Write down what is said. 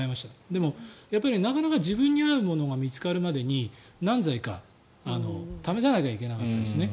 でも、なかなか自分に合うものが見つかるまでに何剤か試さなきゃいけなかったですね。